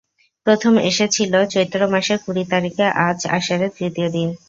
প্রথম এসেছিলে চৈত্র মাসের কুড়ি তারিখে, আজ আষাঢ়ের তৃতীয় দিন।